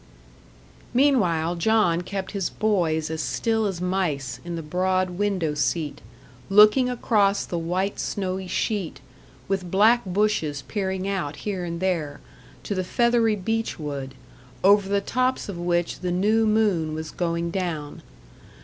Meanwhile, John kept his boys as still as mice, in the broad window seat, looking across the white snowy sheet, with black bushes peering out here and there, to the feathery beech wood, over the tops of which the new moon was going down.